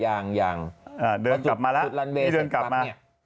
ยังยังเดินกลับมานะ